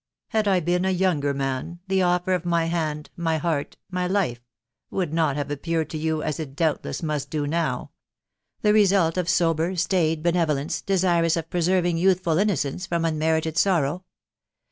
... Had I been a younger man the offer of my hand, my heart, my life, would not have appeared to you, as it doubtless must do now, — the result <if sober, staid benevolence, desirous of preserving youthful inno cence from unmerited sorrow.